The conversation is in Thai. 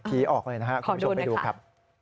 ออกเลยนะครับคุณผู้ชมไปดูครับ